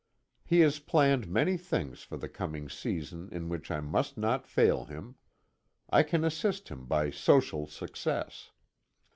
He has planned many things for the coming season in which I must not fail him. I can assist him by social success.